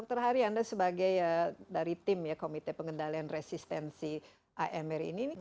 dr hari anda sebagai dari tim ya komite pengendalian resistensi amr ini